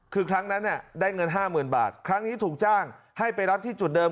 คือครั้งนั้นได้เงิน๕๐๐๐บาทครั้งนี้ถูกจ้างให้ไปรับที่จุดเดิม